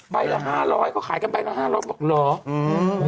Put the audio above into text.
ละ๕๐๐เขาขายกันใบละ๕๐๐บอกเหรอ